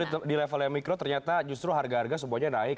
tapi di level yang mikro ternyata justru harga harga semuanya naik